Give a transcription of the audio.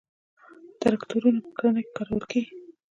تراکتورونه په کرنه کې کارول کیږي